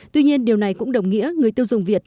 tuy nhiên điều này cũng đồng nghĩa người tiêu dùng việt